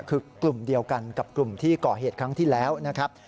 คือกลุ่มเดียวกันกับกลุ่มที่ก่อเหตุครั้งที่แล้วนะครับ